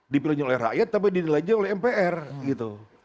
dipilihnya oleh rakyat tapi dinilai oleh mpr gitu